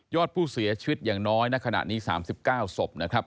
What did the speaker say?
อดผู้เสียชีวิตอย่างน้อยณขณะนี้๓๙ศพนะครับ